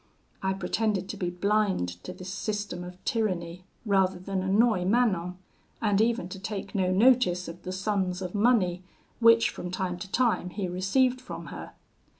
I pretended to be blind to this system of tyranny, rather than annoy Manon, and even to take no notice of the sums of money which from time to time he received from her.